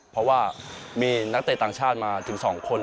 เพราะว่ามีนักเตะต่างชาติมาถึง๒คน